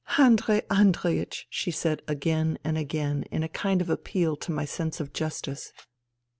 " Andrei Andreiech !" she said again and again in a kind of appeal to my sense of justice.